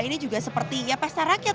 ini juga seperti ya pesta rakyat